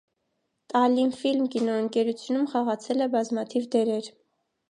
«Տալլինֆիլմ» կինոընկերությունում խաղացել է բազմաթիվ դերեր։